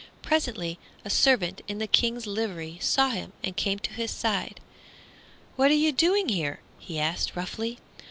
Presently a servant in the King's livery saw him and came to his side. "What are you doing here?" he asked, roughly.